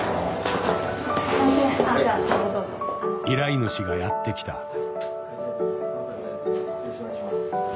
依頼主がやって来た。